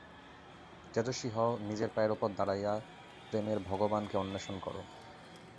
তেজস্বী হও, নিজের পায়ের উপর দাঁড়াইয়া প্রেমের ভগবানকে অন্বেষণ কর।